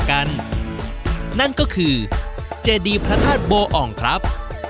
นั่นก็คือเจดีพระธาตุโบอ่องครับ